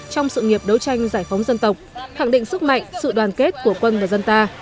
trong sự nghiệp đấu tranh giải phóng dân tộc khẳng định sức mạnh sự đoàn kết của quân và dân ta